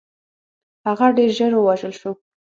هغه ډېر ژر ووژل شو.